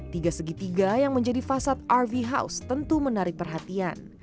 tiga segitiga yang menjadi fasad rv house tentu menarik perhatian